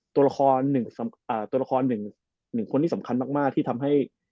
ตัวละครหนึ่งตัวละครหนึ่งหนึ่งคนที่สำคัญมากมากที่ทำให้